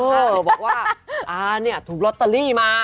เออบอกว่าอาเนี่ยถูกลอตเตอรี่มา